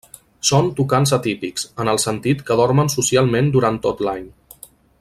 Són tucans atípics, en el sentit que dormen socialment durant tot l'any.